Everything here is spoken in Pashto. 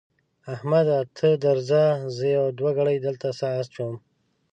احمده ته درځه؛ زه يوه ګړۍ دلته سا اچوم.